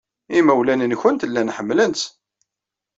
Imawlan-nwent llan ḥemmlen-tt.